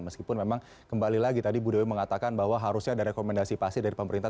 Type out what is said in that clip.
meskipun memang kembali lagi tadi bu dewi mengatakan bahwa harusnya ada rekomendasi pasti dari pemerintah